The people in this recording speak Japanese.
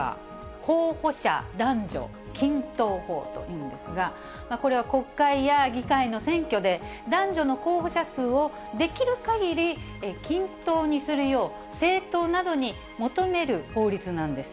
候補者男女均等法というんですが、これは国会や議会の選挙で、男女の候補者数をできるかぎり均等にするよう、政党などに求める法律なんです。